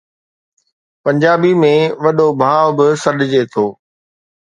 پنجابي ۾ وڏو ڀاءُ به سڏجي ٿو.